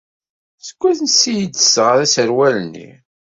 Seg wansi ay d-tesɣa aserwal-nni?